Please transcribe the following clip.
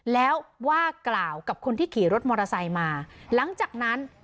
แล้วว่ากล่าวกับคนที่ขี่รถมอเตอร์ไซค์มาหลังจากนั้น